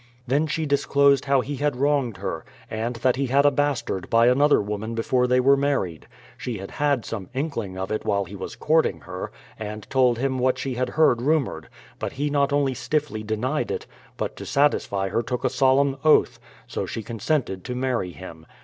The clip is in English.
Then she disclosed how he had wronged her, and that he had a bastard by another woman before they were married. She had had some inkling of it when he was courting her, and told him what she had heard rumoured ; but he not only stiffly denied it, but to satisfy her took a solemn oath ; so she consented to marry him.